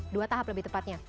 dua tahap lebih tepatnya